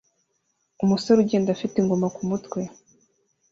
Umusore ugenda afite ingoma kumutwe